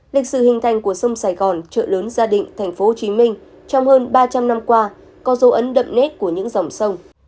lịch sử hình thành của sông sài gòn trợ lớn gia đình thành phố hồ chí minh trong hơn ba trăm linh năm qua có dấu ấn đậm nét của những dòng sông